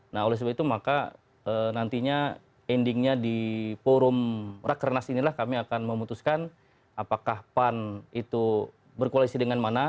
nah oleh sebab itu maka nantinya endingnya di forum rakernas inilah kami akan memutuskan apakah pan itu berkoalisi dengan mana